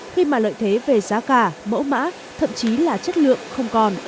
khi mà lợi thế về giá cả mẫu mã thậm chí là chất lượng không còn